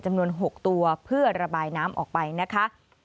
จำนวน๖ตัวเพื่อระบายน้ำออกไปนะคะ